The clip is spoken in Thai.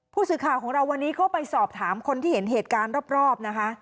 ผู้สื่อข่าวของเราวันนี้ก็ไปสอบถามคนที่เห็นเหตุการณ์รอบนะคะ